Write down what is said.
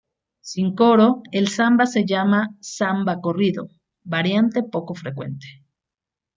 Sin coro, el samba se llama samba-corrido, variante poco frecuente.